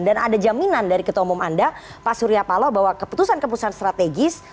dan ada jaminan dari ketua umum anda pak surya paloh bahwa keputusan keputusan strategis